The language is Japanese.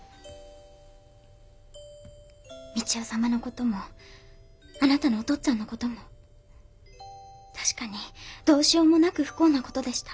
三千代様の事もあなたのお父っつぁんの事も確かにどうしようもなく不幸な事でした。